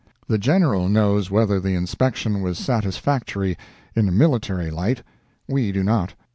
The General knows whether the inspection was satisfactory in a military light. We do not.